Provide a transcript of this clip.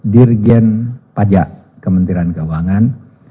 dirjen pajak kementerian keuangan